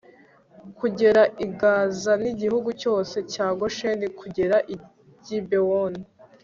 kugera i gaza n'igihugu cyose cya gosheni kugera i gibewoni